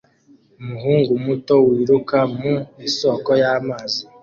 umuhungu muto wiruka mu isoko y'amazi